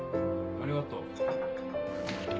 ありがとう。